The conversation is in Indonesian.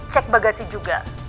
cek bagasi juga